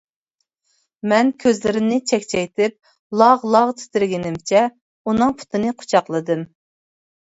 مەن كۆزلىرىمنى چەكچەيتىپ لاغ-لاغ تىترىگىنىمچە ئۇنىڭ پۇتىنى قۇچاقلىدىم.